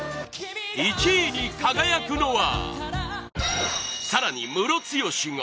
１位に輝くのは？